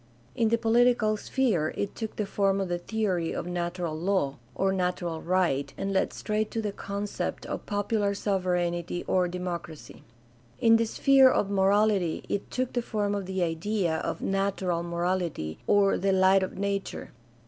In the political sphere it took the form of the theory of "natural law" or "natural right" and led straight to the concept of popular sovereignty or democracy. In the sphere of morality it took the form of the idea of "natural morality" or the "light of nature."